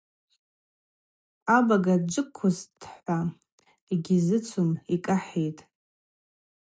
Абага джвыквххызтӏхӏва йгьзыцум, йкӏахӏитӏ.